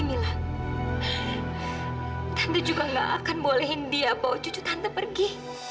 milah tanda juga nggak akan bolehin dia bawa cucu tante pergi